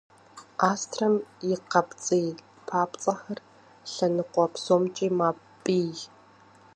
Астрэм и къапщӏий папцӏэхэр лъэныкъуэ псомкӏи мэпӏий.